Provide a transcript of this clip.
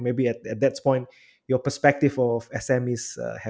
saya belajar banyak dari perbicaraan ini